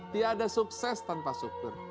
tiada sukses tanpa syukur